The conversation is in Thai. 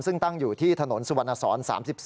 ซึ่งตั้งอยู่ที่ถนนสุวรรณสอน๓๒